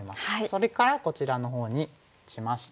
それからこちらのほうに打ちまして。